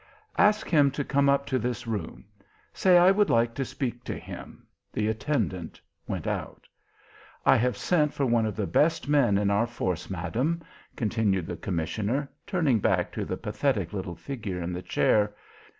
"Ask him to come up to this room. Say I would like to speak to him." The attendant went out. "I have sent for one of the best men on our force, Madam," continued the commissioner, turning back to the pathetic little figure in the chair.